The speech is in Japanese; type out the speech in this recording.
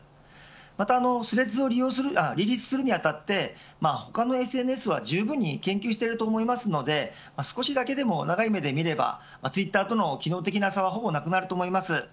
また、スレッズをリリースするに当たって他のＳＮＳはじゅうぶんに研究していると思いますので少しだけでも長い目で見ればツイッターとの機能的な差はほぼ、なくなると思います。